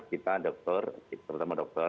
kita dokter pertama dokter